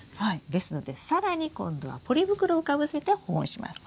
ですので更に今度はポリ袋をかぶせて保温します。